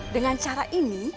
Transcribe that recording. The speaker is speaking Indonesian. dengan cara ini